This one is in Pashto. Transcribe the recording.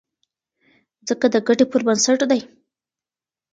ځکه د ګټې پر بنسټ دی.